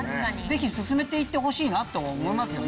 ぜひ進めて行ってほしいなと思いますよね。